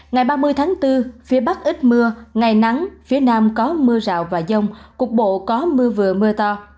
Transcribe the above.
ngày ba mươi tháng bốn phía bắc ít mưa ngày nắng phía nam có mưa rào và dông cục bộ có mưa vừa mưa to